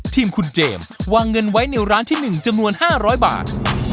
ทีมคุณเจมส์วางเงินไว้ในร้านที่๑จำนวน๕๐๐บาท